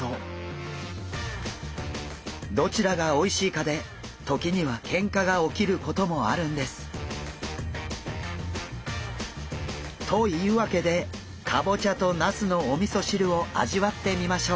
どちらがおいしいかで時にはけんかが起きることもあるんです。というわけでかぼちゃとなすのおみそ汁を味わってみましょう。